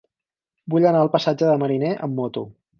Vull anar al passatge de Mariné amb moto.